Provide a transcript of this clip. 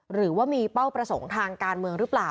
หรือว่ามีเป้าประสงค์ทางการเมืองหรือเปล่า